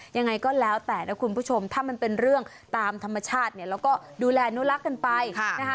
ยังไงก็แล้วแต่นะคุณผู้ชมถ้ามันเป็นเรื่องตามธรรมชาติเนี่ยเราก็ดูแลอนุรักษ์กันไปนะคะ